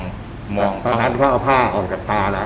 ตอนนั้นเขาเอาผ้าออกจากตาละ